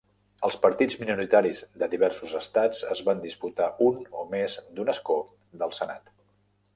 Els partits minoritaris de diversos estats es van disputar un o més d'un escó del Senat.